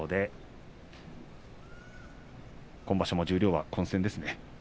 今場所も十両は混戦ですね。